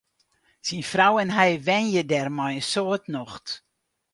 Syn frou en hy wenje dêr mei in soad nocht.